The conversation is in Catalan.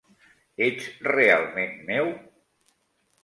Ets realment meu?